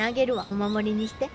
お守りにして。